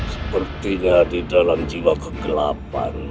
sepertinya di dalam jiwa kegelapan